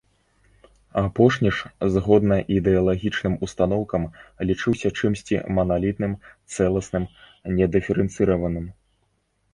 Апошні ж, згодна ідэалагічным устаноўкам, лічыўся чымсьці маналітным, цэласным, недыферэнцыраваным.